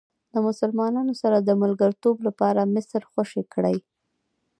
د مسلمانانو سره د ملګرتوب لپاره مصر خوشې کړئ.